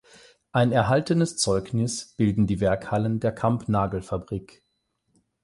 Ein erhaltenes Zeugnis bilden die Werkhallen der Kampnagel-Fabrik.